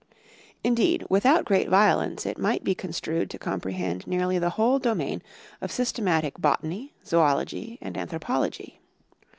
Indeed, without great violence it might be con strued to comprehend nearly the whole domain of systematic bot any, zoology, and anthropology.